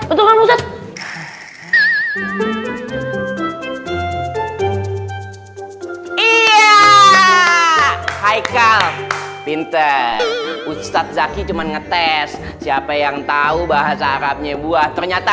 iya hai ke pinter ustadz zaki cuman ngetes siapa yang tahu bahasa arabnya buah ternyata